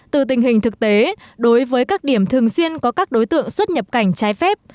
từ tình hình thực tế đối với các điểm thường xuyên có các đối tượng xuất nhập cảnh trái phép